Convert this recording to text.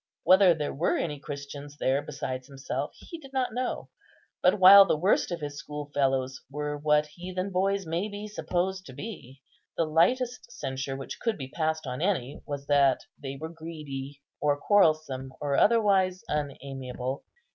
Whether there were any Christians there besides himself he did not know; but while the worst of his schoolfellows were what heathen boys may be supposed to be, the lightest censure which could be passed on any was that they were greedy, or quarrelsome, or otherwise unamiable.